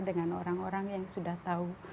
dengan orang orang yang sudah tahu